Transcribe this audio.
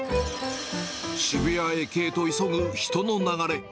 渋谷駅へと急ぐ人の流れ。